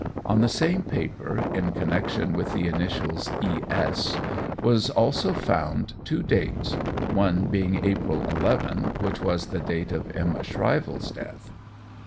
On the same paper, in connection with the initials "E. S.," was also found two dates, one being April 11, which was the date of Emma Shrivell's death.